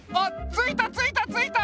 ついたついたついた！